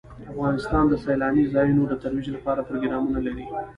افغانستان د سیلاني ځایونو د ترویج لپاره پروګرامونه لري.